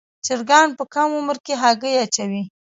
چرګان په کم عمر کې هګۍ اچوي.